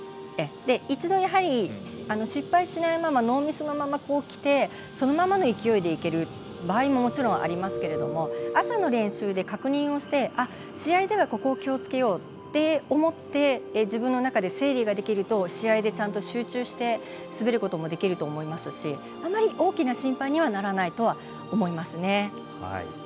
一度も失敗しないままノーミスのままきてそのままの勢いでいける場合ももちろんありますけれども朝の練習で確認して、試合ではここを気をつけようと思って自分の中で整理できると試合でちゃんと集中して滑ることもできると思いますしあまり大きな心配にはならないと思いますね。